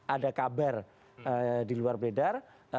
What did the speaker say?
ada kabar di luar beredar